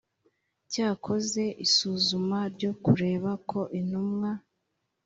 cyakoze isuzuma ryo kureba ko intumwa